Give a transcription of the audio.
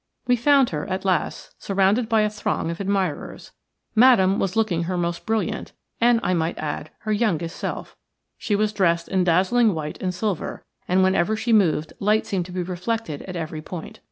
We found her at last, surrounded by a throng of admirers. Madame was looking her most brilliant and, I might add, her youngest self. She was dressed in dazzling white and silver, and whenever she moved light seemed to be reflected at every point.